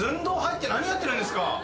どう入って何やってるんですか？